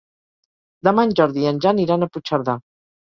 Demà en Jordi i en Jan iran a Puigcerdà.